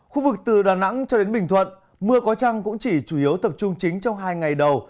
khu vực từ đà nẵng cho đến bình thuận mưa có trăng cũng chỉ chủ yếu tập trung chính trong hai ngày đầu